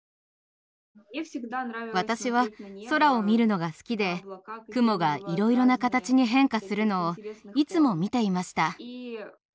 私は空を見るのが好きで雲がいろいろな形に変化するのをいつも見ていました。